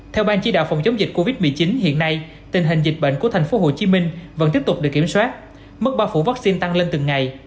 theo ban chỉ đạo phòng chống dịch covid một mươi chín hiện nay tình hình dịch bệnh của tp hcm vẫn tiếp tục được kiểm soát mức bao phủ vaccine tăng lên từng ngày